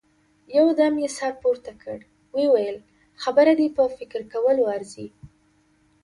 يودم يې سر پورته کړ، ويې ويل: خبره دې په فکر کولو ارزي.